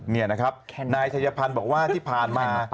นี่นะครับนายชัยพันธ์บอกว่าที่ผ่านมา